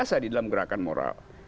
biasa di dalam gerakan moral